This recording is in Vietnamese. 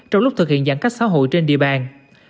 trong lúc thực hiện giãn cách xã hội trên địa bàn